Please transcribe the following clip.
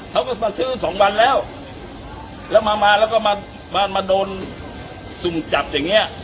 เขาก็มาซื้อสองวันแล้วแล้วมามาแล้วก็มามาโดนสุ่มจับอย่างเงี้ย